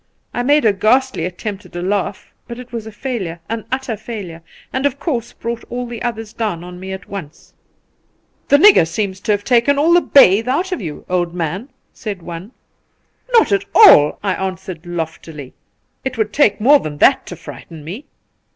I made a ghastly attempt at a laugh, but it was a failure — an utter failure — and of course brought all the others down on me at Once. ' The nigger seems to have taken all the bathe out of you, old man,' said one. ' Not at all !' I answered loftily. ' It would take more than that to frighten me.'